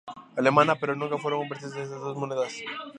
Alemana, pero nunca fueron convertibles estas dos monedas.